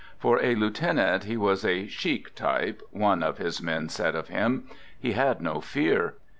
For a lieuten ant, he was " a chic type," one of his men said of him. He had no fear.